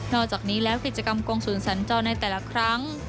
อกจากนี้แล้วกิจกรรมกงศูนย์สัญจรในแต่ละครั้ง